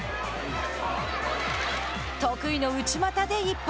得意の内股で一本。